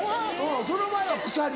その前は鎖。